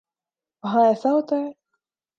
وہاں ایسا ہوتا ہے۔